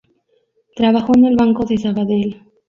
Trabajó en el Banco de Sabadell.